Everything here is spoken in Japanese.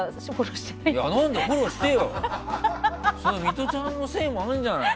ミトちゃんのせいもあるんじゃない？